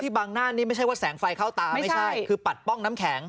บางหน้านี่ไม่ใช่ว่าแสงไฟเข้าตาไม่ใช่คือปัดป้องน้ำแข็ง